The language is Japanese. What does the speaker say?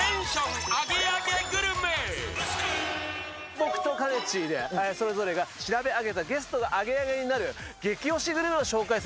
僕とかねちーがそれぞれ調べ上げたゲストがアゲアゲになるゲキ推しグルメを紹介します。